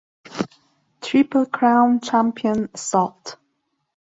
Triple Crown Champion Assault.